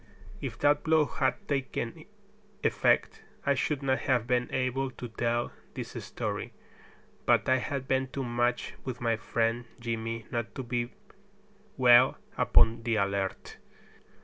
If that blow had taken effect I should not have been able to tell this story. But I had been too much with my friend Jimmy not to be well upon the alert.